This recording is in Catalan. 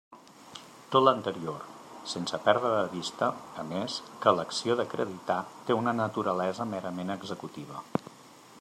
Tot l'anterior, sense perdre de vista, a més, que l'acció d'acreditar té una naturalesa merament executiva.